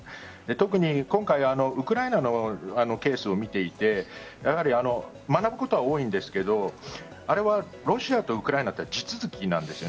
特に今回ウクライナのケースを見ていてやはり学ぶことは多いんですがあれはロシアとウクライナとは地続きなんです。